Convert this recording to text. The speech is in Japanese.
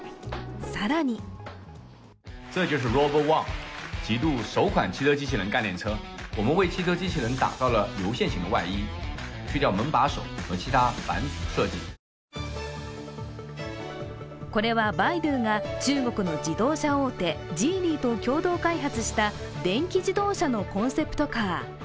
更にこれはバイドゥが中国の自動車大手、ジーニーと共同開発した電気自動車のコンセプトカー。